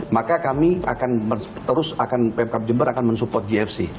maka kami akan terus akan pemkap jember akan mensupport gfc